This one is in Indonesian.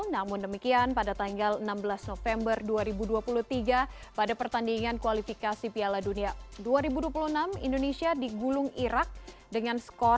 namun demikian pada tanggal enam belas november dua ribu dua puluh tiga pada pertandingan kualifikasi piala dunia dua ribu dua puluh enam indonesia digulung irak dengan skor dua